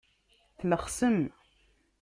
Tlexsem.